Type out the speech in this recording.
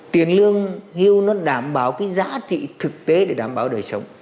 tiền lương hưu nó đảm bảo cái giá trị thực tế để đảm bảo đời sống